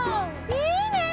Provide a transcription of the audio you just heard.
いいね！